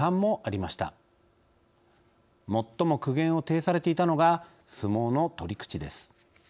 最も苦言を呈されていたのが相撲の取り口です。